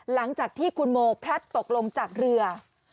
หลังจากที่คุณโมพลัดตกลงจากเรือ